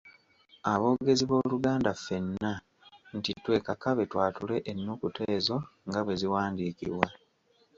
Aboogezi b’Oluganda ffenna, nti twekakabe twatule ennukuta ezo nga bwe ziwandiikibwa.